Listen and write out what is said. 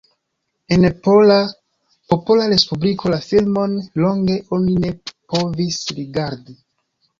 En Pola Popola Respubliko la filmon longe oni ne povis rigardi.